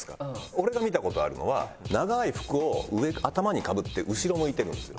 俺が見た事あるのは長い服を頭にかぶって後ろ向いてるんですよ